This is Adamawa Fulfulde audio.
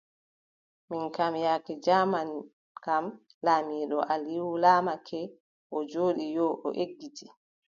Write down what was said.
Min kam, yaake jaaman kam, laamiiɗo Alium laamake, o jooɗi yo, eggiti.